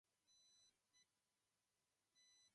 Esto queda a su criterio.